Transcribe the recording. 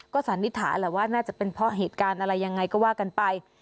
สันนิษฐานแหละว่าน่าจะเป็นเพราะเหตุการณ์อะไรยังไงก็ว่ากันไป